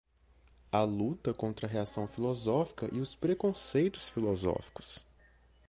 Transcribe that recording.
a luta contra a reacção filosófica e os preconceitos filosóficos